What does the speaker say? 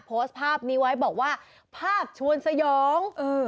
โพสต์ภาพนี้ไว้บอกว่าภาพชวนสยองเออ